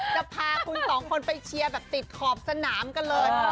จะพาคุณสองคนไปเชียร์แบบติดขอบสนามกันเลย